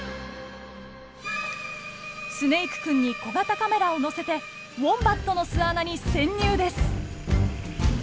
スネイクくんに小型カメラを載せてウォンバットの巣穴に潜入です。